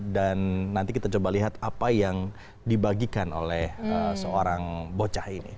dan nanti kita coba lihat apa yang dibagikan oleh seorang bocah ini